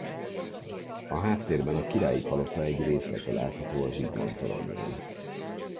A háttérben a Királyi Palota egy részlete látható a Zsigmond-toronnyal.